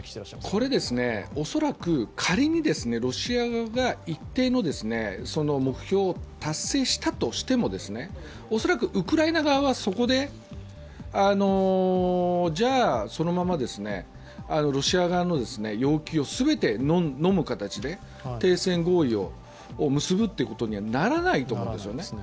これ、恐らく仮にロシア側が一定の目標を達成したとしても恐らくウクライナ側はそこで、じゃ、そのまま、ロシア側の要求をすべてのむ形で停戦合意を結ぶということにはならないと思うんですね。